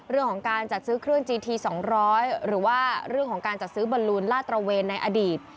เรื่องของการจัดซื้อเครื่องจีที๒๐๐หรือว่าเรื่องของการจัดซื้อบอลลูนลาดตระเวนในอดีต